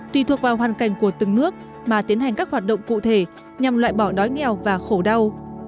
tùy thuộc vào hoàn cảnh của từng nước mà tiến hành các hoạt động cụ thể nhằm loại bỏ đói nghèo và khổ đau